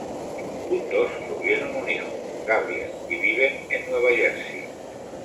Juntos tuvieron un hijo, Gabriel, y viven en Nueva Jersey.